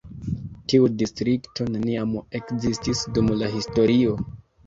Tiu distrikto neniam ekzistis dum la historio.